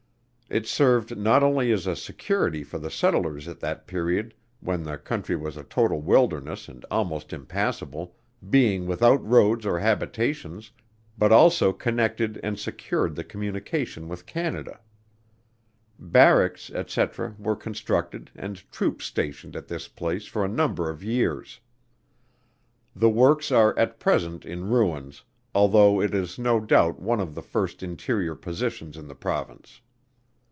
It served not only as a security for the settlers at that period, when the country was a total wilderness and almost impassable, being without roads or habitations, but also connected and secured the communication with Canada. Barracks, &c. were constructed and troops stationed at this place for a number of years. The works are at present in ruins; although it is no doubt one of the first interior positions in the Province.